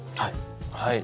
はい。